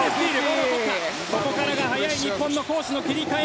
ここからが速い日本の攻守の切り替え。